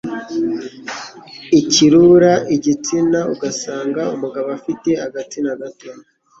ikurura igitsina ugasanga umugabo afite agatsina gato